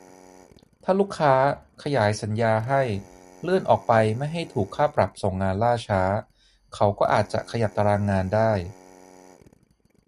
ถ้าลูกค้าขยายสัญญาให้ เลื่อนออกไปไม่ให้ถูกค่าปรับส่งงานล่าช้า เขาก็อาจจะขยับตารางงานได้